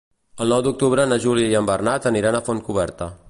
El nou d'octubre na Júlia i en Bernat aniran a Fontcoberta.